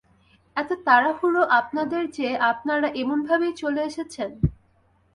এত তাড়াহুড়ো আপনাদের যে আপনারা এমন ভাবেই চলে এসেছেন?